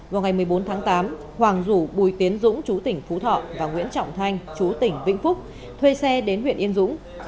vào ngày một mươi bốn tháng tám hoàng rủ bùi tiến dũng chú tỉnh phú thọ và nguyễn trọng thanh chú tỉnh vĩnh phúc thuê xe đến huyện yên dũng